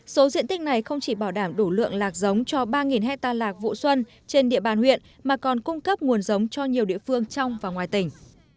số diện tích này không chỉ bảo đảm đủ lượng lạc giống cho ba hectare lạc vụ xuân trên địa bàn huyện mà còn cung cấp nguồn giống cho nhiều địa phương trong và ngoài tỉnh